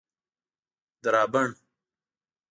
درابڼ